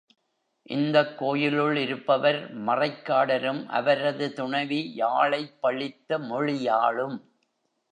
இந்தக் கோயிலுள் இருப்பவர் மறைக் காடரும் அவரது துணைவி யாழைப் பழித்த மொழியாளும்.